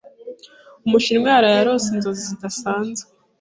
umushinwa yaraye arose inzozi zidasanzwe.